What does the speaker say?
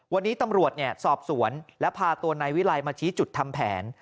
วันนี้ตำรวจสอบสวนและพาตัวนายวิลัยมาชี้จุดทำแผน